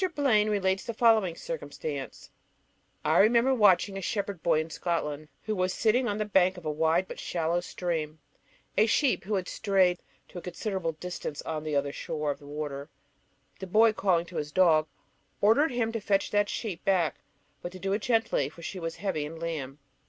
Blaine relates the following circumstance: I remember watching a shepherd boy in Scotland, who was sitting on the bank of a wide but shallow stream. A sheep had strayed to a considerable distance on the other side of the water; the boy, calling to his dog, ordered him to fetch that sheep back, but to do it gently, for she was heavy in lamb.